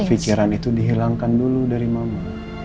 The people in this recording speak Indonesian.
pikiran itu dihilangkan dulu dari mama